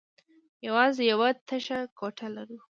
يواځې يوه تشه کوټه لرو.